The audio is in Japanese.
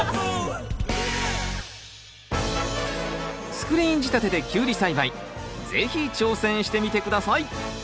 スクリーン仕立てでキュウリ栽培是非挑戦してみて下さい！